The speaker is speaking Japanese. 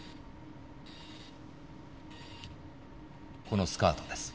このスカートです。